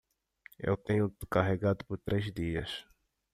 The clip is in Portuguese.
Eu tenho te carregado por três dias.